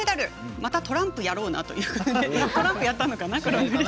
またトランプやろうなということでトランプやったのかな？